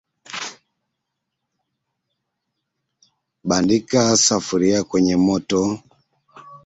Bandika sufuria kwenye moto